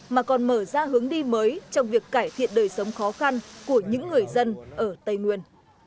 mà còn mở ra hướng đi mới trong việc cải thiện đời sống khó khăn của những người dân ở tây nguyên